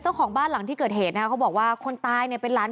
เจ้าของบ้านหลังที่เกิดเหตุนะฮะเขาบอกว่าคนตายเนี่ยเป็นหลาน